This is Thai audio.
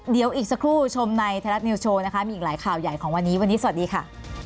เดี๋ยวอีกสักครู่ชมในไทยรัฐนิวสโชว์นะคะมีอีกหลายข่าวใหญ่ของวันนี้วันนี้สวัสดีค่ะ